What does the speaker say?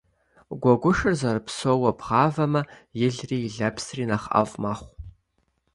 Гуэгушыр зэрыпсоуэ бгъавэмэ, илри и лэпсри нэхъ ӏэфӏ мэхъу.